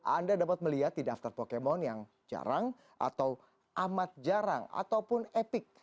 anda dapat melihat di daftar pokemon yang jarang atau amat jarang ataupun epic